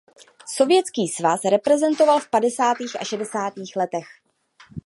Sovětský svaz reprezentoval v padesátých a šedesátých letech.